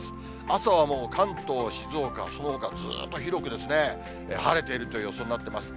朝はもう関東、静岡、そのほかずーっと広く晴れているという予想になっています。